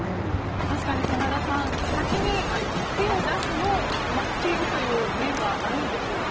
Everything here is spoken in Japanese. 確かに真田さん先に手を出すのを待っているという面はあるのでしょうか。